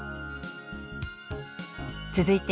続いて＃